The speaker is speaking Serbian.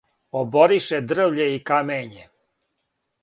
Оборише дрвље и камење,